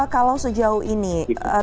kalau sejauh ini terkait dengan